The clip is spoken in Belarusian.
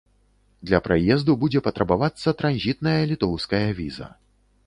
Для праезду будзе патрабавацца транзітная літоўская віза.